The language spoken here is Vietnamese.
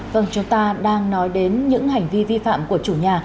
vâng chúng ta đang nói đến những hành vi vi phạm của chủ nhà